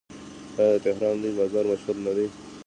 آیا د تهران لوی بازار مشهور نه دی؟